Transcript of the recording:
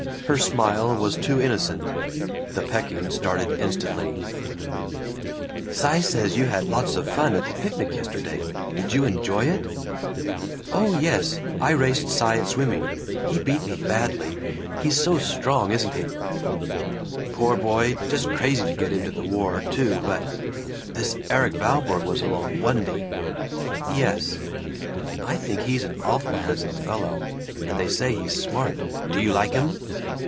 Her smile was too innocent. The pecking started instantly: "Cy says you had lots of fun at the picnic yesterday. Did you enjoy it?" "Oh yes. I raced Cy at swimming. He beat me badly. He's so strong, isn't he!" "Poor boy, just crazy to get into the war, too, but This Erik Valborg was along, wa'n't he?" "Yes." "I think he's an awful handsome fellow, and they say he's smart. Do you like him?"